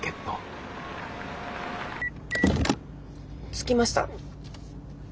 着きました。